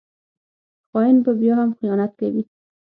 خاین به بیا هم خیانت کوي